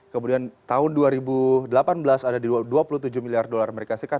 kemudian tahun dua ribu delapan belas ada di dua puluh tujuh miliar dolar amerika serikat